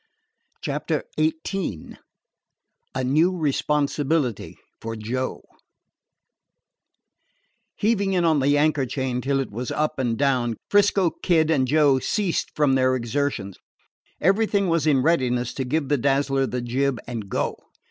CHAPTER XVIII A NEW RESPONSIBILITY FOR JOE Heaving in on the anchor chain till it was up and down, 'Frisco Kid and Joe ceased from their exertions. Everything was in readiness to give the Dazzler the jib, and go.